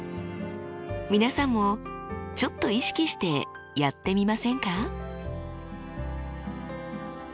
皆さんもちょっと意識してやってみませんか？